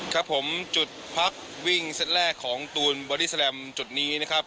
ครับผมจุดพักวิ่งเซตแรกของตูนบอดี้แลมจุดนี้นะครับ